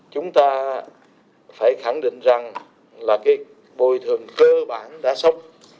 chúng ta phải khẳng định rằng là cái bồi thường cơ bản đã sốc